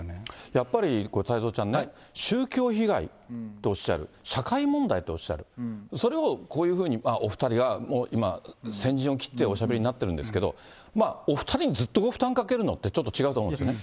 やっぱり太蔵ちゃんね、宗教被害とおっしゃる、社会問題とおっしゃる、それをこういうふうにお２人が今、先陣を切っておしゃべりになってるんですけど、お２人にずっとご負担かけるのって、ちょっと違うと思うんですよね。